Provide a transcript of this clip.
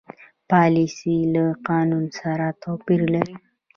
پالیسي له قانون سره توپیر لري.